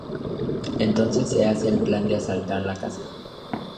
Entonces se hace el plan de asaltar la casa.